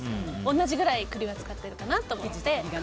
同じくらい栗を使ってるかなと思って。